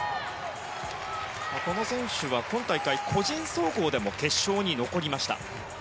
この選手は今大会、個人総合でも決勝に残りました。